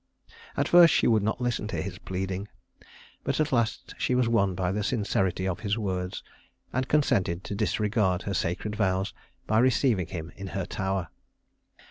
At first she would not listen to his pleading; but at last she was won by the sincerity of his words, and consented to disregard her sacred vows by receiving him in her tower.